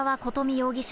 容疑者